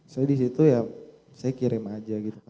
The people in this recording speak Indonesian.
saya di situ ya saya kirim aja gitu